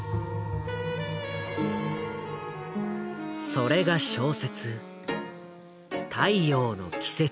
それが小説「太陽の季節」。